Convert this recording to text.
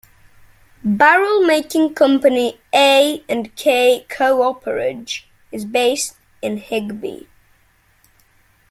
Barrel-making company A and K Cooperage is based in Higbee.